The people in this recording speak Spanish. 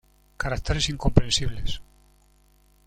וְתִסְמְכֵנוּ לְשָלוֹם.